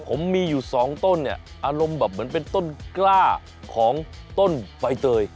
ผมมีอยู่สองต้นเนี่ยอารมณ์แบบเหมือนเป็นต้นกล้าของต้นใบเตย